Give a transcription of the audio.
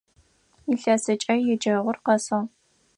Илъэсыкӏэ еджэгъур къэсыгъ.